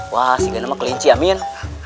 wah sigah nama kelinci amin